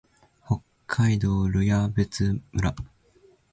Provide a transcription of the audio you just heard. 北海道留夜別村